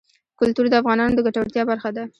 کلتور د افغانانو د ګټورتیا برخه ده.